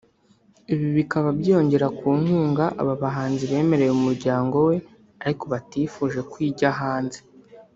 Ibi bikaba byiyongera ku nkunga aba bahanzi bemereye umuryango we ariko batifuje ko ijya hanze